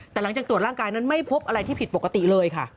แต่หลังจากตรวจร่างกายนั้นไม่พบอะไรที่ผิดปกติเลยค่ะ